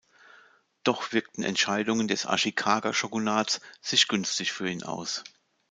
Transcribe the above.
Doch wirkten Entscheidungen des Ashikaga-Shogunats sich günstig für ihn aus.